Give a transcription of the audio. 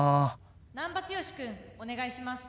難破剛君お願いします。